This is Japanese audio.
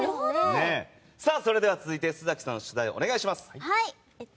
それでは続いて洲崎さん、出題をお願いします。